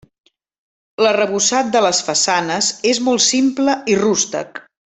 L'arrebossat de les façanes és molt simple i rústec.